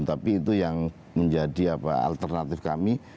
tapi itu yang menjadi alternatif kami